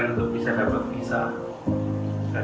dan ketika mereka lihat dari dutaan